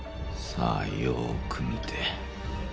さあよく見て